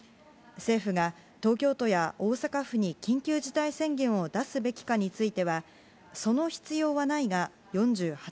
政府が東京都や大阪府に緊急事態宣言を出すべきかについては「その必要はない」が４８％